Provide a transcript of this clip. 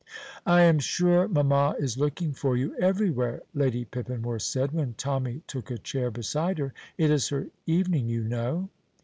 "I am sure mamma is looking for you everywhere," Lady Pippinworth said, when Tommy took a chair beside her. "It is her evening, you know."